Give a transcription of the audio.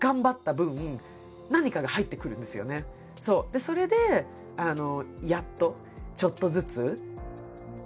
でもそれでやっとちょっとずつ。